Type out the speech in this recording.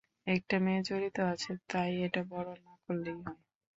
একটা মেয়ে জড়িত আছে তাই, এটা বড় না করলেই হয়।